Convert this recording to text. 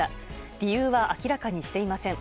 理由は明らかにしていません。